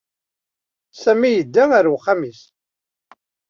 Sami yedda ɣer uxxam-nnes.